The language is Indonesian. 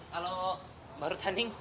kalau baru tanding